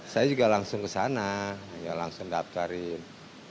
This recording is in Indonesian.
saya juga langsung kesana ya langsung daftarin